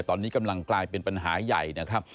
ตอนนี้กำลังกลายเป็นปัญหาใหญ่นะครับ